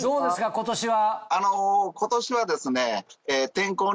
今年は。